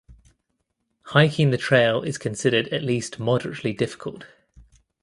Hiking the trail is considered at least moderately difficult.